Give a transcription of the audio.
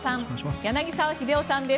柳澤秀夫さんです